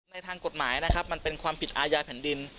ทางกฎหมายนะครับมันเป็นความผิดอาญาแผ่นดิน